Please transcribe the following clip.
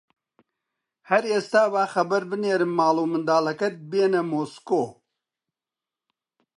هەر ئێستا با خەبەر بنێرم ماڵ و منداڵەکەت بێنە مۆسکۆ